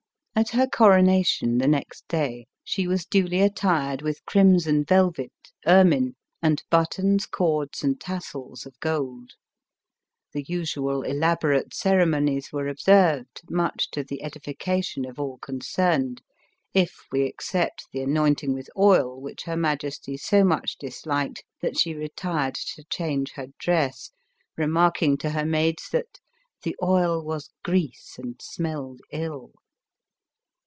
At her coronation, the next day, she was duly at tired with crimson velvet, ermine, and buttons, cords and tassels of gold. The usual elaborate ceremonies were observed, much to the edification of all concerned, if we except the anointing with oil which her majesty so touch disliked that she retired to change her dress, remarking to her maids that " the oil was grease and smelled ill."